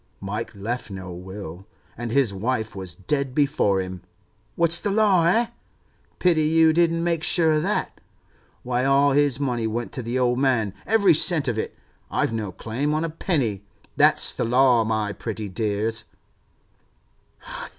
Mike left no will, and his wife was dead before him. What's the law, eh? Pity you didn't make sure of that. Why, all his money went to the old man, every cent of it. I've no claim on a penny. That's the law, my pretty dears!